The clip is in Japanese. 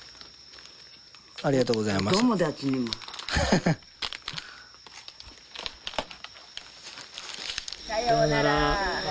ありがとうございますお友達にもさようならさようなら